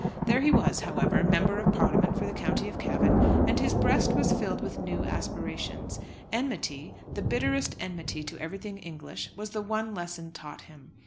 There he was, however, Member of Parliament for the County of Cavan, and his breast was filled with new aspirations. Enmity, the bitterest enmity to everything English, was the one lesson taught him.